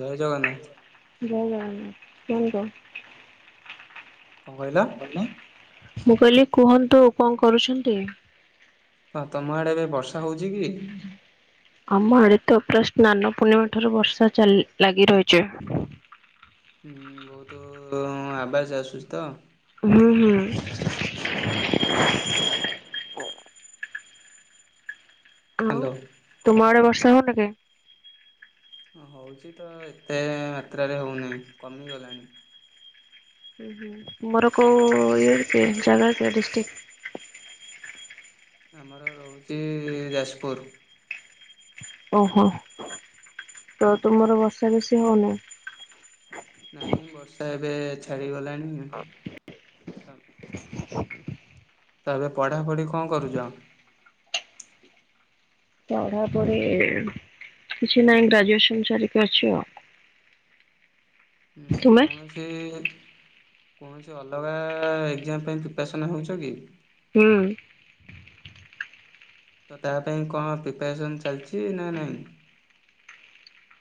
ଜୟ ଜଗନ୍ନାଥ। ଜୟ ଜଗନ୍ନାଥ କୁହନ୍ତୁ। କଁ କହିଲ। ମୁଁ କହିଲି କୁହନ୍ତୁ କଣ କରୁଛନ୍ତି। କଁ ତମ ଆଡେ ଏବେ ବର୍ଷା ହଉଛି କି। ଆମ ଆଡେ ତ ପୁରା ସ୍ନାନ ପୂର୍ଣ୍ଣିମା ଠାରୁ ବର୍ଷା ଚାଲି ଲାଗି ରହିଛି। ହୁଁ ବହୁତ ଆବାଜ ଆସୁଛି ତ। ହୁଁ ହୁଁ। ବୋଉ ହ୍ୟାଲୋ। ତୁମ ଆଡେ ବର୍ଷା ହୋଉନି କି? ହଁ ହୋଉଚି ତ ଏତେ ମାତ୍ରାରେ ହ ହୋଉନାହିଁ କମିଗଲାଣି। ହୁଁ ହୁଁ ତୁମର କେଉ ଇଏ କି ସେଇଠି ଜାଗ କେ ଡିଷ୍ଟ୍ରିକ୍। ଆମର ରହୁଚି ଯାଜପୁର। ଓହୋ ତ ତୁମର ବର୍ଷା ବେଶୀ ହୋ? ନାଇଁ ବର୍ଷା ଏବେ ଛାଡିଗଲାଣି। ତାପରେ ପଢ଼ାପଢ଼ି କଣ କରୁଚ? ପଢ଼ା ପଢ଼ି କିଛି ନାହି ଗ୍ରାଜୁଏସନ ସାରିକି ଅଛି ଆଉ। ହୁଁ ତୁମେ? କୌଣସି ସେ କୌଣସି ଅଲଗା ଏକ୍ଜାମ ପାଇଁ ପ୍ରିପାରେସନ୍ ପାଇଁ ହେଉଛ କି? ହୁଁ। ତ ତା ପାଇଁ କଣ ପ୍ରିପାରେସନ୍ ଚାଲିଛି ନା ନାହିଁ?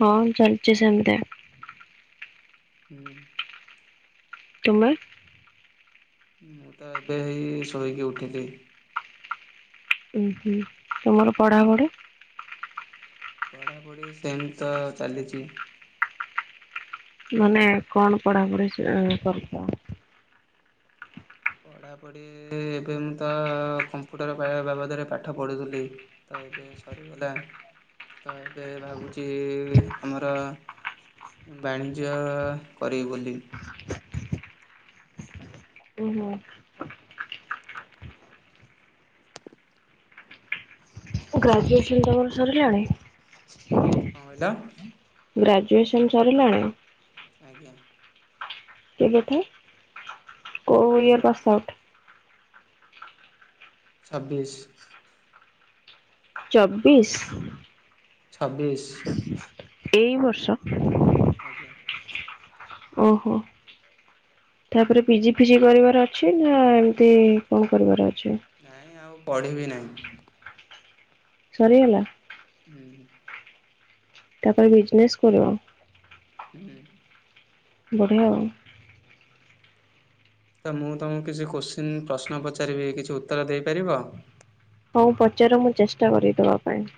ହଁ ଚାଲିଛି ସେମିତି। ହୁଁ। ତୁମେ? ମୁଁ ତ ଏବେ ହେଇ ଶୋଇକି ଉଠିଚି। ଉଁ ହୁଁ ତମର ପଢାପଢା? ପଢ଼ାପଢ଼ି ସେମ ତ ଚାଲିଚି। ମାନେ କଣ ପଢାପଢି ସେ କରୁଚ? ପଢ଼ାପଢ଼ି ଏବେ ମୁଁ ତ କମ୍ପ୍ୟୁଟର ପାଇବା ବାବଦରେ ପାଠ ପଢ଼ୁଥିଲି। ତ ଏବେ ସରିଗଲା ତ ଏବେ ଭାବୁଛି ଆମର ବାଣିଜ୍ୟ କରିବି ବୋଲି। ଓହୋ। ଗ୍ରାଜୁଏସନ୍ ତମର ସରିଲାଣି? କଣ କହିଲ? ଗ୍ରାଜୁଏସନ୍ ସରିଲାଣି? ଆଜ୍ଞା। କେବେଠୁ କଉଇଅର ହ୍ୟାଲୋ ପାସ୍ ଆଉଟ୍? ଛବିଶି। ଚବିଶି? ଛବିଶ୍। ଏଇ ବର୍ଷ? ଆଜ୍ଞା। ଓହୋ। ତାପରେ ପିଜି ଫିଜି କରିବାର ଅଛି ନା ଏମିତି କଣ କରିବାର ଅଛି? ନାଇଁ ଆଉ ପଢ଼ିବି ନାହିଁ। ସରିଗଲା? ହୁଁ ହୁଁ। ତାପରେ ବିଜିନେସ କରିବ? ହୁଁ। ବଢ଼ିଆ ଆଉ। ତ ମୁଁ ତୁମକୁ କିଛି କୋଶ୍ଚିନ୍ ପ୍ରଶ୍ନ ପଚାରିବି କିଛି ଉତ୍ତର ଦେଇପାରିବ? ହୋଉ ପଚାର ମୁଁ ଚେଷ୍ଟା କରିଦବା ପାଇଁ।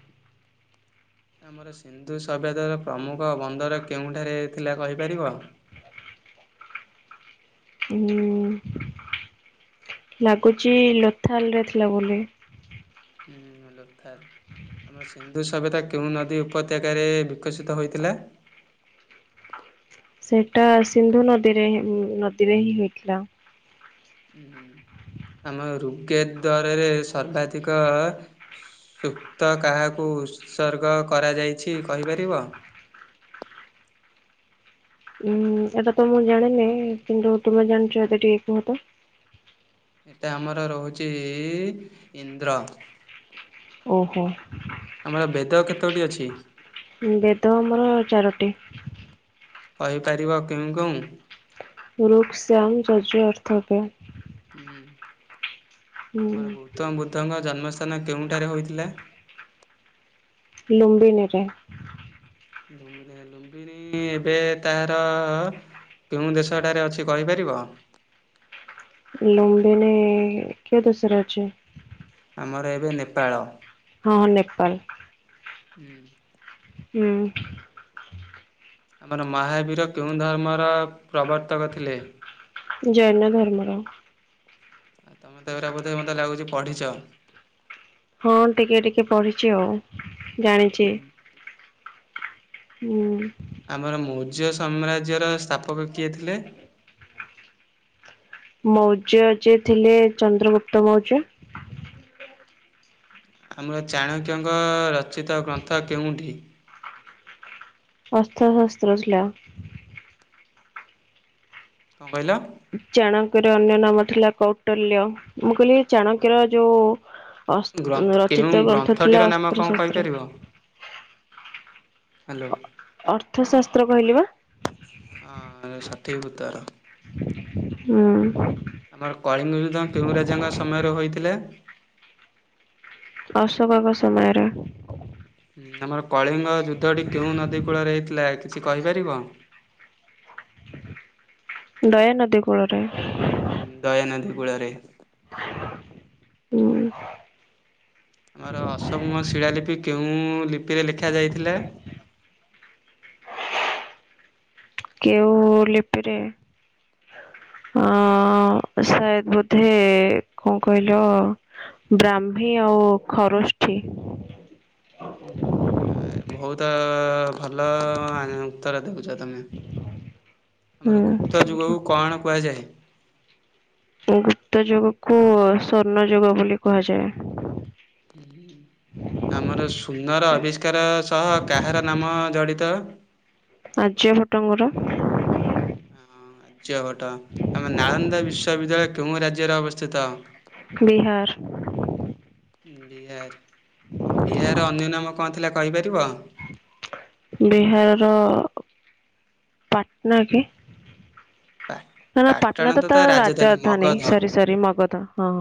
ଆମର ସିନ୍ଧୁ ସଭ୍ୟତା ର ପ୍ରମୁଖ ବନ୍ଦର କେଉଁଠାରେ ଥିଲା କହିପାରିବ? ହୁଁ ଲାଗୁଛି ଲୋଥାଲ ରେ ଥିଲା ବୋଲି। ହୁଁ ଲୋକଥାଲ। ଆମର ସିନ୍ଧୁ ସଭ୍ୟତା କେଉଁ ନଦୀ ଉପତ୍ୟକାରେ ବିକଶିତ ହୋଇଥିଲା? ସେଇଟା ସିନ୍ଧୁ ନଦୀରେ ଉଁ ନଦୀରେ ହିଁ ହେଇଥିଲା। ଉହୁଁଁ ଆମ ରୁଗେ ଦ୍ଵାରରେ ସର୍ବାଧିକ ସୁକ୍ତ କାହାକୁ ଉତ୍ସର୍ଗ କରାଯାଇଛି କହିପାରିବ ଉଁ ଏଟା ତ ମୁଁ ଜାଣିନି କିନ୍ତୁ ତୁମେ ଜାଣିଚ ଏଟା ଟିକେ କୁହ ତ? ଏତେ ଆମର ରହୁଛି ଇନ୍ଦ୍ର ଓହୋ। ଆମର ବେଦ କେତୋଟି ଅଛି? ହୁଁ ବେଦ ଆମର ଚାରୋଟି। କହିପାରିବ କେଉଁ କେଉଁ? ରୁକ୍ ସମ ଜଜ ଅର୍ଥବ୍ୟ। ହୁଁ ଆମର ହୁଁ ଗୌତମ ବୁଦ୍ଧଙ୍କ ଜନ୍ମସ୍ଥାନ କେଉଁଠାରେ ହୋଇଥିଲା? ଲୁମ୍ବିନିରେ। ଲୁମ୍ବିନ ଲୁମ୍ବିନୀ ଏବେ ତାର କେଉଁ ଦେଶଟାରେ ଅଛି କହିପାରିବ? ଲମ୍ବିିନ କେଉ ଦଶରେ ଅଛି? ଆମର ଏବେ ନେପାଳ। ହଁ ହଁ ନେପାଲ। ହୁଁ। ହୁଁ। ଆମର ମହାବୀର କେଉଁ ଧର୍ମର ପ୍ରବର୍ତ୍ତକ ଥିଲେ? ଜୟନ ଧର୍ମର। ଆ ତମେତ ଏଗୁରା ବଧେ ମୋତେ ଲାଗୁଚି ପଢିଚ। ହଁ ଟିକେ ଟିକେ ପଢିଚି ଆଉ ଜାଣିଚି। ହୁଁ। ଆମର ମୌର୍ଯ୍ୟ ସାମ୍ରାଜ୍ୟର ସ୍ଥାପକ କିଏ ଥିଲେ? ମୌର୍ଯ୍ୟ ଯିଏ ଥିଲେ ଚନ୍ଦ୍ରଗୁପ୍ତ ମୌର୍ଯ୍ୟ। ଆମର ଚାଣକ୍ୟଙ୍କ ରଚିତ ଗ୍ରନ୍ଥ କେଉଁଠି? ଅର୍ଥଶାସ୍ତ୍ର ଥିଲା। କଁ କହିଲ? ଚାଣକ୍ୟର ଅନ୍ୟ ନାମ ଥିଲା କୌଟଲ୍ୟ। ମୁଁ କହିଲି ଚାଣକ୍ୟର ଯୋଉ ଅସ ଗ୍ରନ୍ଥ କେଉଁ ରଚିତ ଗ୍ରନ୍ଥ ଗ୍ରନ୍ଥଟିର ଥିଲା ନାମ କଣ ଅସ୍ତ୍ରଶସ୍ତ୍ର। କହିପାରିବ? ହ୍ୟାଲୋ। ଅର୍ଥଶାସ୍ତ୍ର କହିଲି ବା। ହଁ ଏ ଷଠିକ ଉତ୍ତର। ହୁଁ ଆମର କଳିଙ୍ଗ ଯୁଦ୍ଧ କେଉଁ ରାଜାଙ୍କ ସମୟରେ ହୋଇଥିଲା? ଅଶୋକଙ୍କ ସମୟରେ। ହୁଁ ଆମର କଳିଙ୍ଗ ଯୁଦ୍ଧଟି କେଉଁ ନଦୀ କୂଳରେ ହେଇଥିଲା କିଛି କହିପାରିବ? ଦୟାନଦୀ କୂଳରେ। ହୁଁ ଦୟାନଦୀ କୂଳରେ। ଉଁ। ଆମର ଅସମ ଶିଳାଲିପି କେଉଁ ଲିପିରେ ଲେଖ ଯାଇଥିଲା? କେଉଁ ଲିପିରେ ହଁ ସାୟଦ ବୋଧେ କଁ କହିଲ ବ୍ରାହ୍ମୀ ଆଉ ଖରଷ୍ଠି। ଆ ଏ ବହୁତ ଭଲ ଉତ୍ତର ଦଉଚ ତମେ। ହୁଁ ଆମର ଗୁପ୍ତ ଥ୍ୟାଙ୍କୟୁ ଯୁଗକୁ କଣ କୁହାଯାଏ। ଗୁପ୍ତ ଯୁଗକୁ ଶ୍ଵର୍ଣ୍ଣ ଯୁଗ ବୋଲି କୁହାଯାଏ। ଆମର ସୁନର ଆବିଷ୍କାର ସହ କାହାର ନାମ ଜଡ଼ିତ? ଆର୍ଯ୍ୟଭଙ୍କର। ଅ ହଁ ଆଯ୍ୟ ଭଟ ଆମ ନାଳନ୍ଦା ବିଶ୍ୱବିଦ୍ୟାଳୟ କେଉଁ ରାଜ୍ୟରେ ଅବସ୍ଥିତ? ବିହାର। ବିହାର ବିହାର ର ଅନ୍ୟ ନାମ କଣ ଥିଲା କହିପାରିବ? ବିହାରର। ପାଟନା କି। ପାଟନା ତ ତା ରାଜଧାନୀ ସରି ସରି ମଗଧ ହଁ।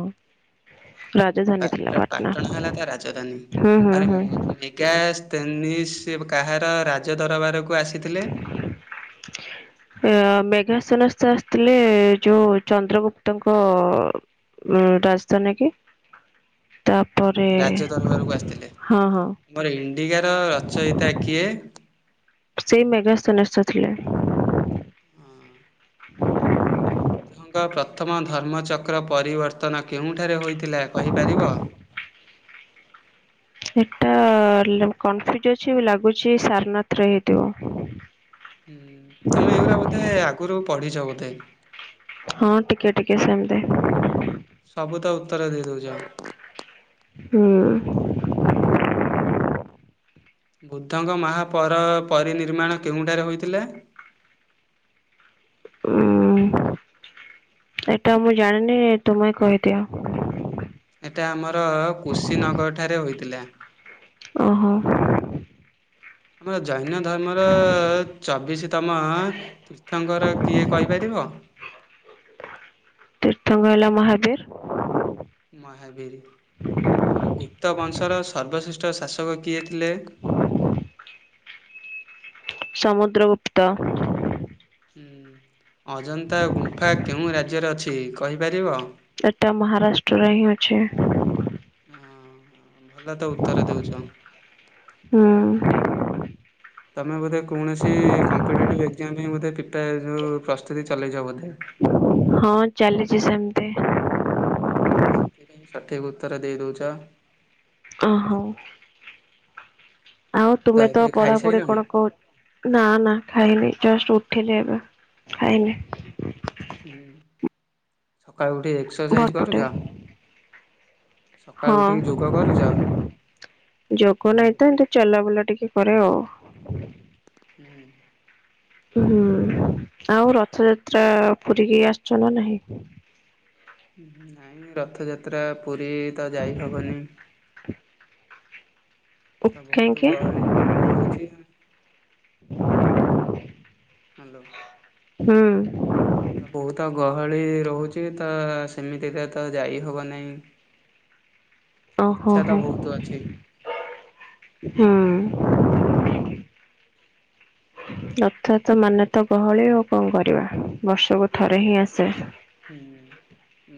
ରାଜଧାନୀ ଥିଲା ପାଟ ପାଟଣା ପାଟନା ହେଲା ତା ରାଜଧାନୀ ହୁଁ ହୁଁ ଆରେ ହୁଁ। [unintelligible] କାହାର ରାଜ ଦରବାରକୁ ଆସିଥିଲେ। ଅ ମେଘା ସନାସ୍ଥ ଆସିଥିଲେ ଯୋଉ ଚନ୍ଦ୍ରଗୁପ୍ତଙ୍କ ଉଁ ରାଜଧାନୀ କି ହୁଁ ତାପରେ ହଁ ହଁ। ମୋର ଇଣ୍ଡିଗାର ରଚୟିତା କିଏ? ସେଇ ମେଘା [unintelligible] ଥିଲେ। ଙ୍କ ପ୍ରଥମ ଧର୍ମଚକ୍ର ପରିବର୍ତ୍ତନ କେଉଁଠାରେ ହୋଇଥିଲା କହିପାରିବ? ହେଟା କନଫ୍ୟୁଜ ଅଛି ଲାଗୁଛି ସାରନଥରେ ହେଇଥିବ। ହୁଁ ତମେ ଏଗୁରା ବୋଧେ ଆଗୁରୁ ପଢିଛ ବୋଧେ। ହଁ ଟିକିଏ ଟିକିଏ ସେମତି। ସବୁ ତ ଉତ୍ତର ଦେଇ ଦଉଚ। ହୁଁ। ବୁଦ୍ଧଙ୍କ ମାହା ପର ପରିନିର୍ମାଣ କେଉଁଠାରେ ହୋଇଥିଲେ? ହୁଁ ସେଟା ମୁଁ ଜାଣିନି ତୁମେ କହିଦିଅ। ହେଟା ଆମର କୁଶୀନଗରଠାରେ ହୋଇଥିଲା। ଓହୋ। ଆମର ଜୈନ ଧର୍ମର ଚବିଶତମ ଅ ତାଙ୍କର କିଏ କହିପାରିବ। ତୀର୍ଥଙ୍ଗ ହେଲା ମହାବୀର। ମହାବୀର ଆମର ଗୁପ୍ତବଂଶର ସର୍ବଶ୍ରେଷ୍ଠ ଶାସକ କିଏ ଥିଲେ? ସମୁଦ୍ର ଗୁପ୍ତ। ହୁଁ ଅଜନ୍ତା ଗୁମ୍ଫା କେଉଁ ରାଜ୍ୟରେ ଅଛି କହିପାରିବ? ଏଟା ମହାରାଷ୍ଟ୍ରରେ ହିଁ ଅଛି। ହଁ ଭଲ ତ ଉତ୍ତର ଦଉଚ। ହଁ। ତମେ ବୋଧେ କୌଣସି କମ୍ପିଟେଟିଭ ଏକ୍ଜାମ ପାଇଁ ବୋଧେ ପ୍ରିପାର ଯଉ ପ୍ରସ୍ତୁତି ଚଲେଇଛ ବୋଧେ। ହଁ ଚାଲିଛି ସେମିତି। ହୁଁ ସେଥିପାଇଁ ସଠିକ୍ ଉତ୍ତର ଦେଇ ଦଉଚ। ଓହୋ। ଆଉ ତୁମେ ତ ଏବେ ପଢାପଢି ଖାଇସାରିଲଣି? କଣ କ ନା ନା ଖାଇନି ଜଷ୍ଟ ଉଠିଲି ଏବେ ଖାଇନି। ହୁଁ ସକାଳୁ ଉଠି ଏ ଏକ୍ସସାଇଜ ବରପଟେ କରୁଚ? ହଁ ସକାଳୁ ଉଠିକି ଯୋଗ କରୁଚ? ଯୋଗ ନାଇଁ ତ, ଏମତି ଚଲାବୁଲା ଟିକେ କରେ ଆଉ। ହୁଁ। ହୁଁ, ଆଉ ରଥଯାତ୍ରା ପୁରୀକି ଆସଛ ନା ନାହିଁ? ନାଇଁ ରଥଯାତ୍ରା ପୁରୀ ତ ଯାଇ ହବନି। ତ ବହୁତ କାହିଁକି ଗହଳି ର-ରହୁଛି। ହାଲୋ। ହୁଁ। ତ ବହୁତ ଗହଳି ରହୁଛି ତ ସେମିତିରେ ତ ଯାଇହବ ନାଇଁ। [inaudible] ଓହୋ ହୋ, ବହୁତ ଅଛି ହଁ। ରଥଯାତ୍ରା ମାନେ ତ ଗହଳି ଆଉ କଣ କରିବା? ବର୍ଷକୁ ଥରେ ହିଁ ଆସେ। ହୁଁ, ହୁଁ,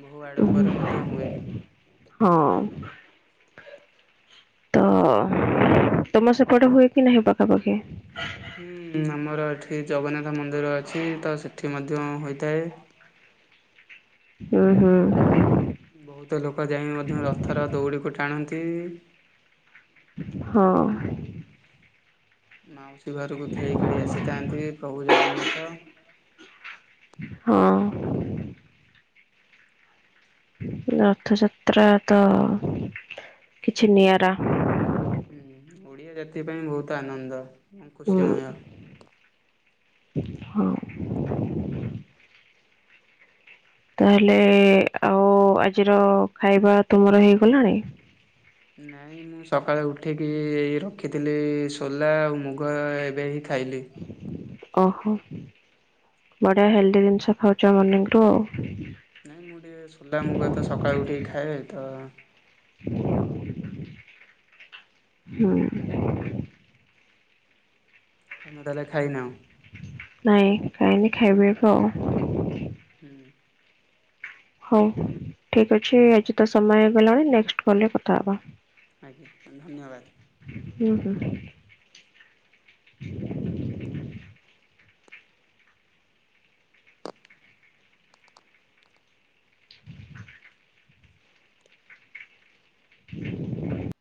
ବହୁ ଆଡ଼ମ୍ବରେ ମଧ୍ୟ ହୁଏ। ହଁ। ତ ତୋମ ସେପଟେ ହୁଏ କି ନାହିଁ ପାଖାପାଖି? ହୁଁ, ଆମର ଏଠି ଜଗନ୍ନାଥ ମନ୍ଦିର ଅଛି ତ ସେଠି ମଧ୍ୟ ହୋଇଥାଏ। ଅଁ, ହଁ। ବହୁତ ଲୋକ ଯାଇ ମଧ୍ୟ ରଥର ଦୌଡ଼ିକୁ ଟାଣନ୍ତି। ହଁ। ମାଉସୀ ଘରକୁ ଖେଳି ଖେଳି ଆସିଥାନ୍ତି ପ୍ରଭୁ ଜଗନ୍ନାଥ। ହଁ। ରଥଯାତ୍ରା ତ କିଛି ନିଆରା। ହୁଁ, ଓଡ଼ିଆ ଜାତି ପାଇଁ ବହୁତ ଆନନ୍ଦ ଏବଂ ହୁଁ ଖୁସିମୟ। ହଁ। ତାହେଲେ ଆଉ ଆଜିର ଖାଇବା ତୁମର ହେଇଗଲାଣି? ନାଇଁ ମୁଁ ସକାଳେ ଉଠିକି ଏଇ ରଖିଥିଲି ସୋଲା ଆଉ ମୁଗ ଏବେ ହି ଖାଇଲି। ଓହୋ, ବଢିଆ ହେଲ୍ଦି ଜିନିଷ ଖାଉଛ ମର୍ଣିଂ ରୁ ଆଉ। ନାଇଁ ମୁଁ ଟିକିେ ସୋଲା ମୁଗ ତ ସକାଳୁ ଉଠିକି ଖାଏ ତ। ହଁ। ତୋମେ ତାହେଲେ ଖାଇନ? ନାଇଁ ଖାଇନି ଖାଇବି ଏଫ। ହୁଁ। ହଉ ଠିକ ଅଛି ଆଜି ତ ସମୟ ହେଇଗଲାଣି ନେକ୍ସଟ୍ କଲ୍ ରେ କଥା ହବା। ଆଜ୍ଞା ଧନ୍ୟବାଦ। ହଁ, ହଁ। [inaudible]